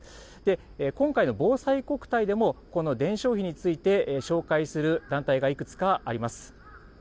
今回のぼうさいこくたいでも、この伝承碑について紹介する団体がいくつかあります。